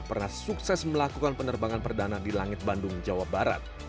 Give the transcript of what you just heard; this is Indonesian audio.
pernah sukses melakukan penerbangan perdana di langit bandung jawa barat